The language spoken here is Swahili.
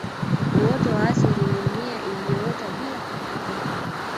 uoto wa asili ni mimea iliyoota bila kupandwa